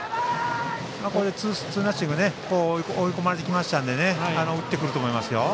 ツーナッシングに追い込まれてきましたので打ってくると思いますよ。